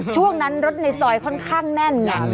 ช่วงนั้นรถในซอยค่อนข้างแน่นไง